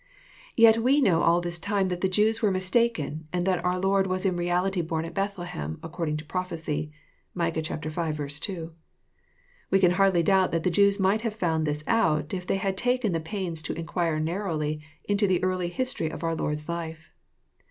Yet we know all this time that the Jews were mistaken, and that our Ijord was in reality born at^Bethlehem, according to prophecy. (Micah Y. 2.) We can hardly doubt that the Jews might have found out this, if they had taken the pains to inquire narrowly into the early history of our Lord*8 life.